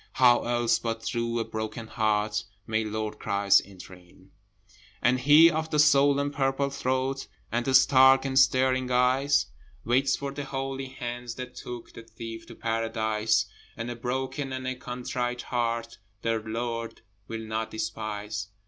How else but through a broken heart May Lord Christ enter in? And he of the swollen purple throat. And the stark and staring eyes, Waits for the holy hands that took The Thief to Paradise; And a broken and a contrite heart The Lord will not despise.